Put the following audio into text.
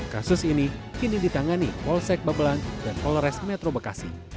kasus ini kini ditangani polsek babelan dan polres metro bekasi